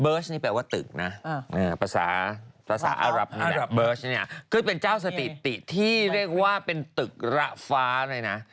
เบิร์ชนี่แปลว่าตึกนะภาษาอัลรับคือเป็นเจ้าสติติที่เรียกว่าเป็นตึกระฟ้าเลยนะ